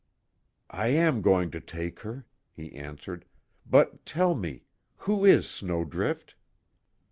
"I am going to take her," he answered, "But, tell me who is Snowdrift?"